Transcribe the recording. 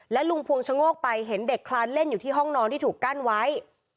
ลุงพวงชะโงกไปเห็นเด็กคลานเล่นอยู่ที่ห้องนอนที่ถูกกั้นไว้